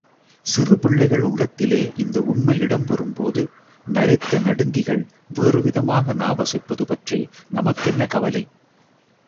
சிறு பிள்ளைகள் உள்ளத்திலே இந்த உண்மை இடம்பெறும்போது நரைத்த நடுங்கிகள் வேறுவிதமாக நாவசைப்பது பற்றி நமக்கென்ன கவலை!